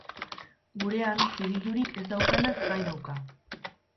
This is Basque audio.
Gurean, zigilurik ez daukanak jai dauka.